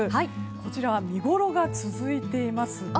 こちらは見ごろが続いていますね。